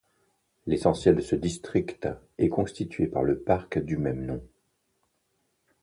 L'essentiel de ce district est constitué par le parc du même nom.